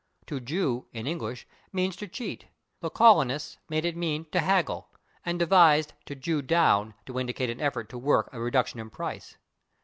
/To jew/, in English, means to cheat; the colonists made it mean to haggle, and devised /to jew down/ to indicate an effort to work a reduction in price.